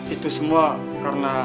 itu semua karena